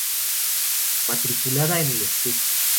Matriculada en el St.